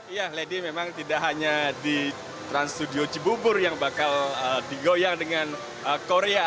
iya lady memang tidak hanya di trans studio cibubur yang bakal digoyang dengan korea